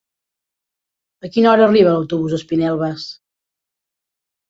A quina hora arriba l'autobús d'Espinelves?